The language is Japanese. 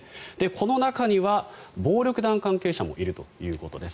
この中には暴力団関係者もいるということです。